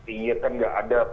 iya kan gak ada